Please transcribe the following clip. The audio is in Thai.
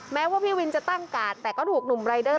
แม้ว่าพี่วินจะตั้งกาดแต่ก็ถูกหนุ่มรายเดอร์